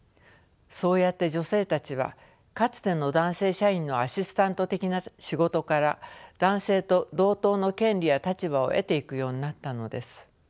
そうやって女性たちはかつての男性社員のアシスタント的な仕事から男性と同等の権利や立場を得ていくようになったのです。